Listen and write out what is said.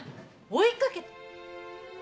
追い掛けて。